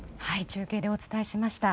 中継でお伝えしました。